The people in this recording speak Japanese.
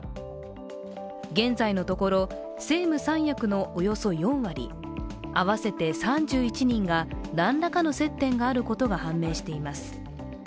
現在のところ、政務三役のおよそ４割、合わせて３１人が何らかの接点があることが判明しています。